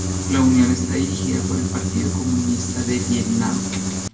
La unión está dirigida por el Partido Comunista de Vietnam.